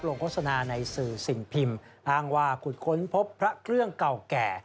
โฆษณาในสื่อสิ่งพิมพ์อ้างว่าขุดค้นพบพระเครื่องเก่าแก่